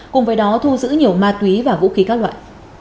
cùng với đó thu giữ nhiều ma túy và vũ khí các loại